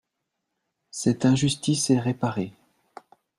Cette injustice est réparée.